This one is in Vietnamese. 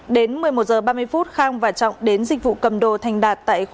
đến một mươi một h ba mươi khang và trọng đến dịch vụ cầm đồ thành đạt tại khu